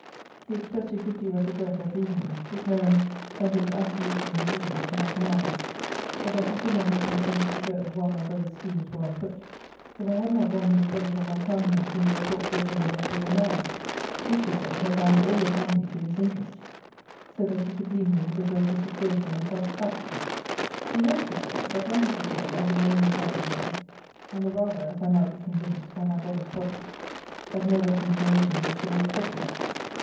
He expressed a good deal of regret at leaving me, declaring, that it was absolutely in obedience to my commands: but that he could not have consented to go, while my brother's schemes were on foot, if I had not done him the credit of my countenance in the report he had made that we were married; which, he said, had bound all the family to his interest, so that he could leave me with the greater security and satisfaction. He hoped, he said, that on his return I would name his happy day; and the rather, as I might be convinced, by my brother's projects, that no reconciliation was to be expected.